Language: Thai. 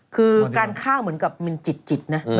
คือการฆ่าเหมือนกับมันจิตนะ